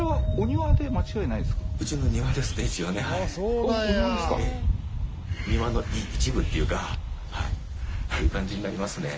庭の一部っていうかそういう感じになりますね。